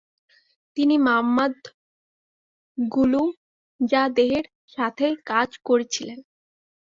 তিনি মাম্মাদ্গুলুযাদেহের সাথে কাজ করেছিলেন।